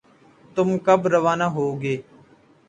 تم کب روانہ ہوگے؟